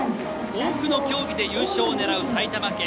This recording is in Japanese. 多くの競技で優勝を狙う埼玉県。